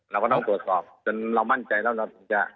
เราก็ต้องตรวจสอบจนเรามั่นใจแล้วเราถึงจะ